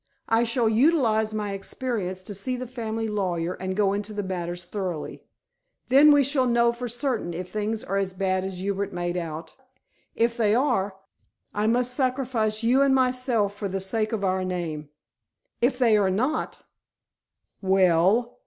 I shall utilize my experience to see the family lawyer and go into matters thoroughly. Then we shall know for certain if things are as bad as Hubert made out. If they are, I must sacrifice you and myself for the sake of our name; if they are not " "Well?"